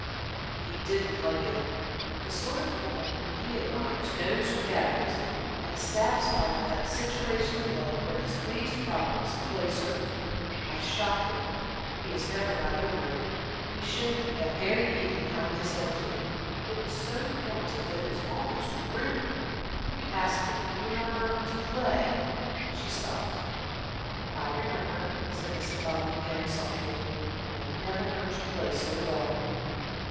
"He didn't like it. The sort of woman whom he admires knows her catechism, and is satisfied with that situation in life where it has pleased Providence to place her. I shocked him; he has never got over it. He showed me, that very evening, how he disliked me it was so pointed that it was almost rude. You asked me do you remember? to play." She stopped. "I remember," said Mrs. Bobby again softly. "I never heard you play so well."